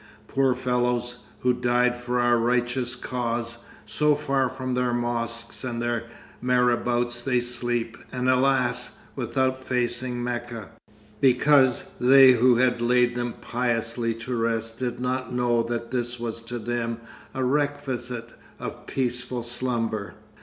Poor fellows, who died for our righteous cause, so far from their mosques and their marabouts they sleep, and alas! without facing Mecca, because they who laid them piously to rest did not know that this was to them a requisite of peaceful slumber!